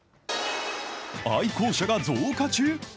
愛好者が増加中？